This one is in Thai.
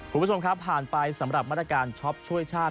คุณผู้ชมครับผ่านไปสำหรับมาตรการช็อปช่วยชาติ